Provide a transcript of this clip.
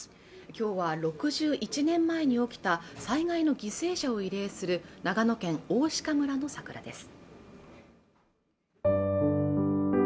今日は６１年前に起きた災害の犠牲者を慰霊する長野県大鹿村の桜です